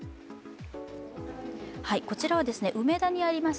こちらは梅田にあります